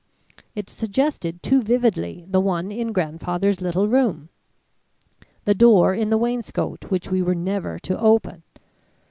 It suggested too vividly the one in Grandfather's little room the door in the wainscot which we were never to open.